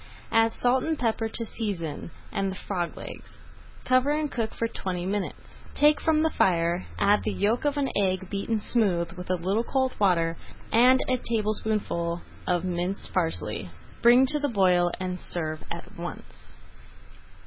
Add salt and pepper to season, and the frog legs. Cover and cook for twenty minutes. Take from the fire, add the yolk of an egg beaten smooth with a little cold water, and a tablespoonful of minced parsley. Bring to the boil, and serve at once.